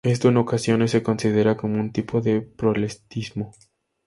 Esto, en ocasiones, se considera como un tipo de proselitismo.